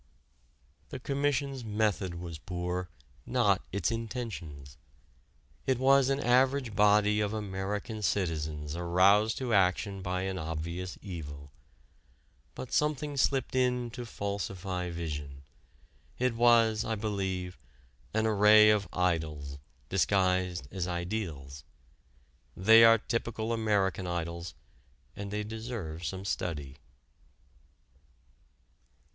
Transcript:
The Commission's method was poor, not its intentions. It was an average body of American citizens aroused to action by an obvious evil. But something slipped in to falsify vision. It was, I believe, an array of idols disguised as ideals. They are typical American idols, and they deserve some study.